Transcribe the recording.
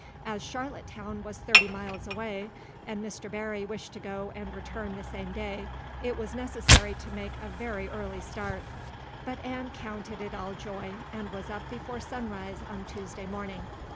As Charlottetown was thirty miles away and Mr. Barry wished to go and return the same day, it was necessary to make a very early start. But Anne counted it all joy, and was up before sunrise on Tuesday morning.